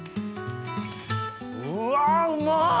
うわうまっ！